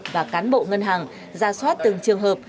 và cán bộ ngân hàng ra soát từng trường hợp